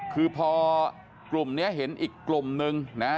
คือพอกลุ่มนี้เห็นอีกกลุ่มนึงนะ